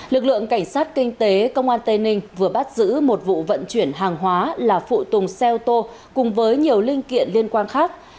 lực lượng cảnh sát kinh tế công an tây ninh vừa bắt giữ một vụ vận chuyển hàng hóa là phụ tùng xe ô tô cùng với nhiều linh kiện liên quan khác